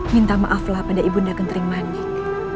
minta maaflah pada bunda kentering manik